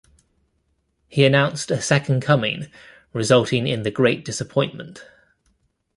He announced a Second Coming, resulting in the Great Disappointment.